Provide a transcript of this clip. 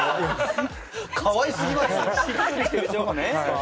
かわいすぎますね。